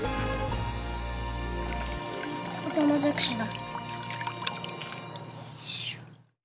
オタマジャクシだ。